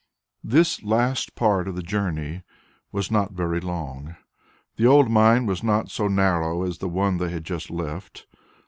IX This last part of the journey was not very long. The old mine was not so narrow as the one they had just left.